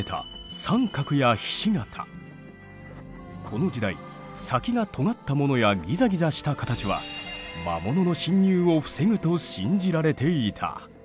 この時代先がとがったものやギザギザした形は魔物の侵入を防ぐと信じられていた。